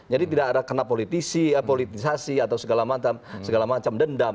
jadi tidak ada kena politisasi atau segala macam dendam